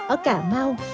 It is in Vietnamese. ở cà mau